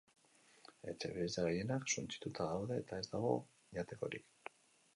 Etxebizitza gehienak suntsituta daude eta ez dago jatekorik.